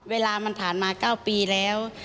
เวลามันผ่านมา๙ปีแล้ว